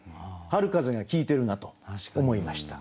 春風が効いてるなと思いました。